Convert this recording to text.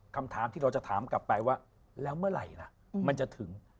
คำถามที่เราจะถามกลับไปว่าแล้วเมื่อไหร่ล่ะมันจะถึง